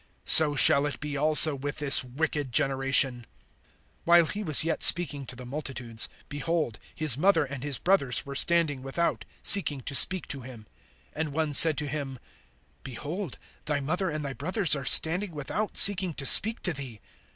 So shall it be also with this wicked generation. (46)While he was yet speaking to the multitudes, behold, his mother and his brothers were standing without, seeking to speak to him. (47)And one said to him: Behold, thy mother and thy brothers are standing without, seeking to speak to thee.